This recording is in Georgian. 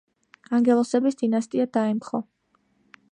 ანგელოსების დინასტია დაემხო.